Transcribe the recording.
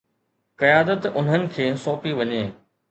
قيادت انهن کي سونپي وڃي